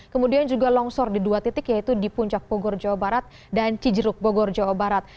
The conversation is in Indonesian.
kemudian juga longsor di dua titik yaitu di puncak bogor jawa barat dan cijeruk bogor jawa barat